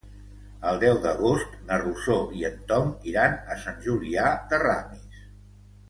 El deu d'agost na Rosó i en Tom iran a Sant Julià de Ramis.